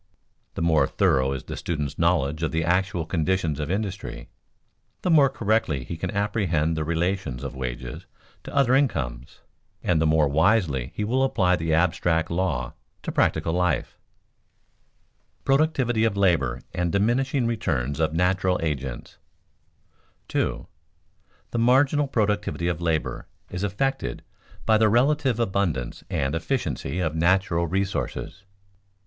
The more thorough is the student's knowledge of the actual conditions of industry, the more correctly he can apprehend the relations of wages to other incomes, and the more wisely he will apply the abstract law to practical life. [Sidenote: Productivity of labor and diminishing returns of natural agents] 2. _The marginal productivity of labor is affected by the relative abundance and efficiency of natural resources.